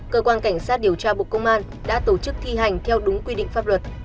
cơ quan cảnh sát điều tra bộ công an đã tổ chức thi hành theo đúng quy định pháp luật